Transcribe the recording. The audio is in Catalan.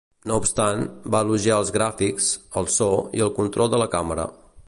No obstant, va elogiar els gràfics, el so i el control de la càmera.